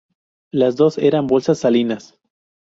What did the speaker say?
Las dos eran bolsas salinas.